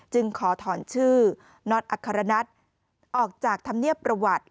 ขอถอนชื่อน็อตอัครนัทออกจากธรรมเนียบประวัติ